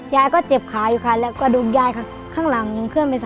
ยายก็เจ็บขาอยู่ค่ะแล้วก็ดูวันยายเข้าหลวงนึงเขื่อนไป๓๔